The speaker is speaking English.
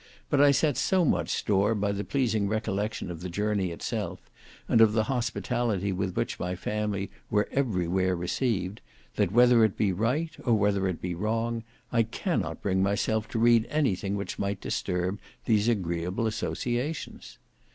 But I set so much store by the pleasing recollection of the journey itself, and of the hospitality with which my family were every where received, that whether it be right, or whether it be wrong, I cannot bring myself to read anything which might disturb these agreeable associations.